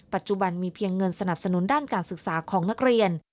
ปัจจุบันมีเพียงเงินสนับสนุนด้านการศึกษาของนักเรียน